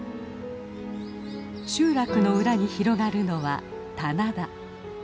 集落の裏に広がるのは棚田。